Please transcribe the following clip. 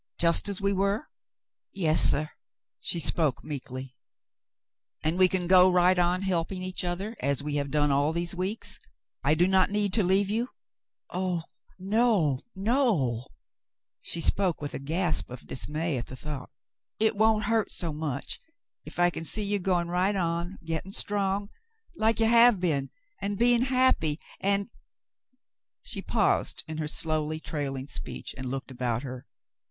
Just as we were ?" "Yes, suh," she spoke meekly. 130 The Mountain Girl "And we can go right on helping each other, as we have done all these weeks ? I do not need to leave you ?" *'0h, no, no !" She spoke with a gasp of dismay at the thought. It — won't hurt so much if I can see you going right on — getting strong — like you have been, and being happy — and —" She paused in her slowly trail ing speech and looked about her.